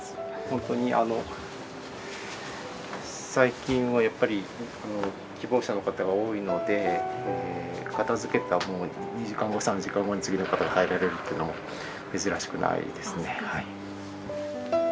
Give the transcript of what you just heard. ほんとにあの最近はやっぱり希望者の方が多いので片づけた２時間後３時間後に次の方が入られるっていうのも珍しくないですね。